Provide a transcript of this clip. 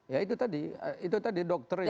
ya itu tadi itu tadi dokter yang mengatakan